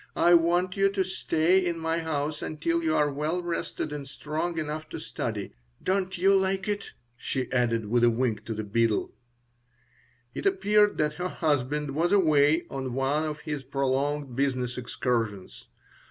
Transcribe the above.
I want you to stay in my house until you are well rested and strong enough to study. Don't you like it?" she added, with a wink to the beadle It appeared that her husband was away on one of his prolonged business excursions.